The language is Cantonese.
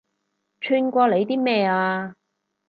串過你啲咩啊